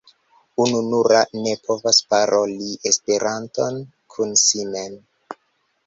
Ununura ne povas paroli Esperanton kun si mem.